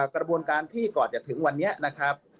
กระบวนการที่ก่อนจะถึงวันนี้นะครับ